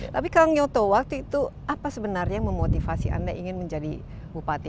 tapi kang nyoto waktu itu apa sebenarnya yang memotivasi anda ingin menjadi bupati